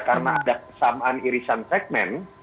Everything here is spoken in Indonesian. karena ada kesamaan irisan segmen